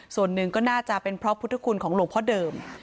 ส่วนหนึ่งก็น่าจะเป็นเพราะพุทธคุณของหลวงพ่อเดิม